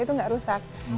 itu gak rusak